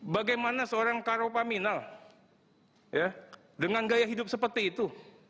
bagaimana seorang karopaminal dengan gaya hidup seperti itu